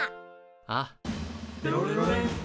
ああ。